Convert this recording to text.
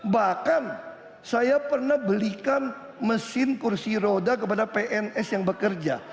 bahkan saya pernah belikan mesin kursi roda kepada pns yang bekerja